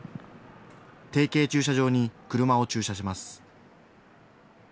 提携駐車場に車を駐車します。